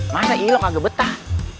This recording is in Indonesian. masa ilok agak betah